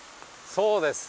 そうです。